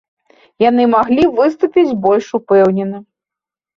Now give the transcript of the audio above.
Яны маглі выступіць больш упэўнена.